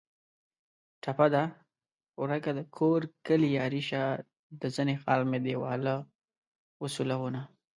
ټپه ده: ورکه دکور کلي یاري شه د زنې خال مې دېواله و سولونه